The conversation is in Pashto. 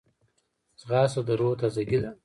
ځغاسته د روح تازګي ده